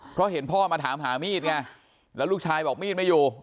เพราะเห็นพ่อมาถามหามีดไงแล้วลูกชายบอกมีดไม่อยู่